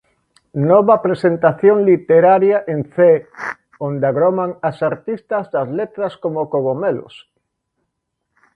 Nova presentación literaria en Cee, onde agroman as artistas das letras como cogomelos.